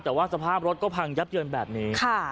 แต่ว่าสภาพรถก็พังยับเยินแบบนี้